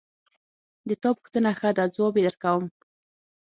د تا پوښتنه ښه ده ځواب یې درکوم